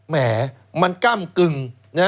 แหมมันก้ำกึ่ง